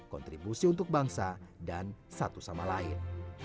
kontribusi untuk bangsa dan satu sama lain